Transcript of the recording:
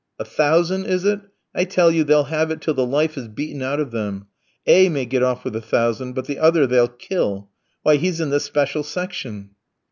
"A thousand, is it? I tell you they'll have it till the life is beaten out of them. A v may get off with a thousand, but the other they'll kill; why, he's in the 'special section.'"